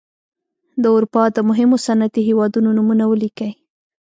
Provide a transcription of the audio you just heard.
د اروپا د مهمو صنعتي هېوادونو نومونه ولیکئ.